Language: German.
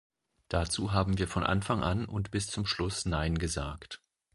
Dazu haben wir von Anfang an und bis zum Schluss nein gesagt.